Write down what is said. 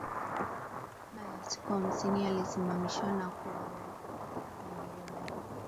Baaa ya siku hamsini alisimamishwa na kuuwawa na Wajerumani